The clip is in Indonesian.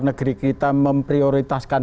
negeri kita memprioritaskan